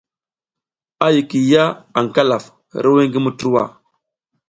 A yikiy ya aƞ Kalaf hiriwiy ngi Muturwa.